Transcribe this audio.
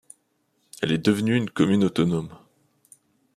Elle est devenue une commune autonome.